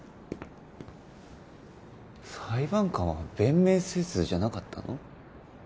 裁判官は弁明せずじゃなかったの？